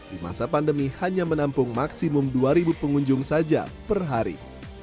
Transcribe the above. di masa pandemi hanya menampung maksimum dua ribu pengunjung saja per hari